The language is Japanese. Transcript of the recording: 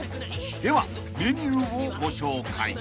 ではメニューをご紹介］